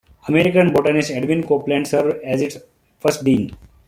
American botanist Edwin Copeland served as its first dean.